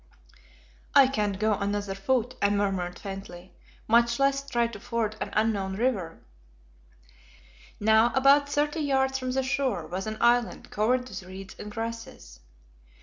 "I can't go another foot," I murmured faintly, "much less try to ford an unknown river." Now, about thirty yards from the shore was an island covered with reeds and grasses.